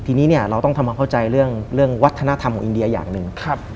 ทีนี้เนี่ยเราต้องทำความเข้าใจเรื่องวัฒนธรรมของอินเดียอย่างหนึ่ง